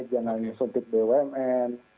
jangan menyuntik bumn